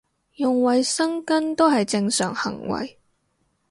用衞生巾都係正常行為